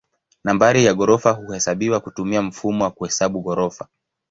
Nambari ya ghorofa huhesabiwa kutumia mfumo wa kuhesabu ghorofa.